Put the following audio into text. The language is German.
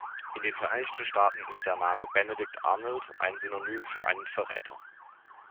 In den Vereinigten Staaten ist der Name „Benedict Arnold“ ein Synonym für einen Verräter.